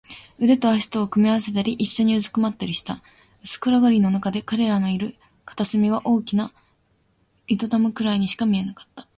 腕と脚とを組み合わせたり、いっしょにうずくまったりした。薄暗がりのなかで、彼らのいる片隅はただ大きな糸玉ぐらいにしか見えなかった。